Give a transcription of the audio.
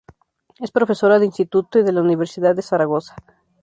Es profesora de instituto y de la Universidad de Zaragoza.